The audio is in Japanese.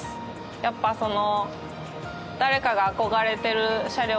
やっぱその。